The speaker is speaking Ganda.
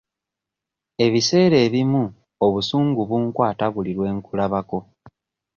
Ebiseera ebimu obusungu bunkwata buli lwe nkulabako.